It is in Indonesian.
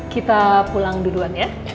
kita pulang duluan ya